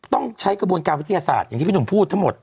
ต้องใช้กระบวนการวิทยาศาสตร์อย่างที่พี่หนุ่มพูดทั้งหมด